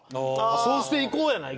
「そうしていこう」やないけど。